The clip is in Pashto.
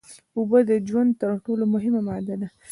اوبه د ژوند تر ټول مهمه ماده ده